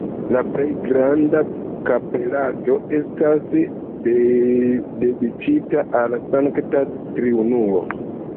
La plej granda kapeleto estas dediĉita al Sankta Triunuo.